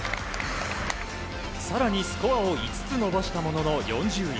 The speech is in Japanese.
更に、スコアを５つ伸ばしたものの４０位。